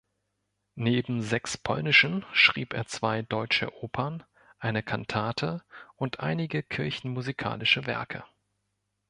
Neben sechs polnischen schrieb er zwei deutsche Opern, eine Kantate und einige kirchenmusikalische Werke.